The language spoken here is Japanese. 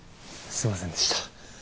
すいませんでした